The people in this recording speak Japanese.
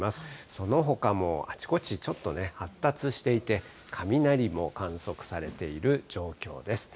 そのほかもあちこち、ちょっとね、発達していて、雷も観測されている状況です。